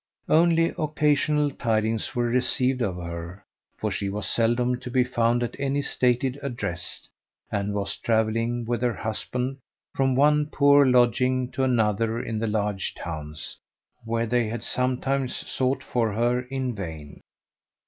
Only occasional tidings were received of her, for she was seldom to be found at any stated address, and was travelling with her husband from one poor lodging to another in the large towns, where they had sometimes sought for her in vain.